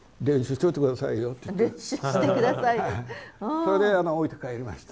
それで置いて帰りました。